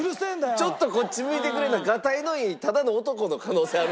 ちょっとこっち向いてくれなガタイのいいただの男の可能性あるんですよ